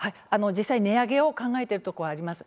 実際、値上げを考えているところはあります。